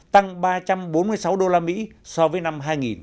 tăng ba trăm bốn mươi sáu usd so với năm hai nghìn một mươi bảy